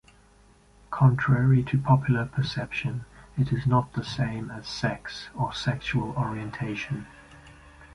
Contrary to popular perception, it is not the same as sex or sexual orientation.